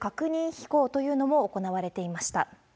飛行というのも行われていました。